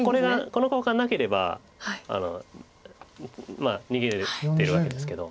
この交換なければ逃げれてるわけですけど。